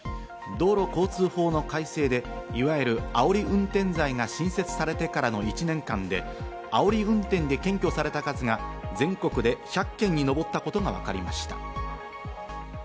道交法の改正でいわゆるあおり運転罪が新設されてからの１年間であおり運転で検挙された数が全国で１００件に上ったことがわかりました。